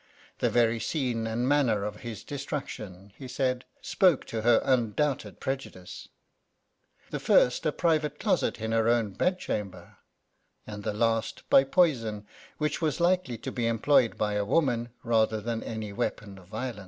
The very scene and manner of his destruction, he said, spoke to her un doubted prejudice, — the first a private closet in her oun bedchamber, — and thel.ist by poison, which was hkely to be employed by a woman, rather than any weapon of violenc